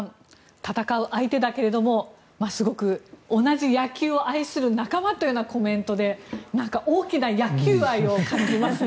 戦う相手だけれどもすごく同じ野球を愛する仲間というようなコメントで大きな野球愛を感じますね。